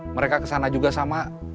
mereka kesana juga sama